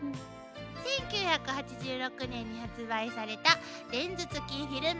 １９８６年に発売されたレンズつきフィルムカメラ。